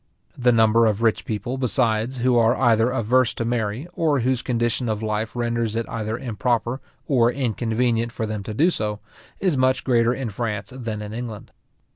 The number of rich people, besides, who are either averse to marry, or whose condition of life renders it either improper or inconvenient for them to do so, is much greater in France than in England.